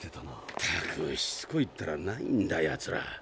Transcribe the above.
ったくしつこいったらないんだやつら。